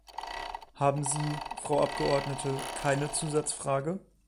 Haben Sie, Frau Abgeordnete, keine Zusatzfrage?